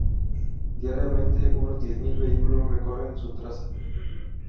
Diariamente, unos diez mil vehículos recorren su traza.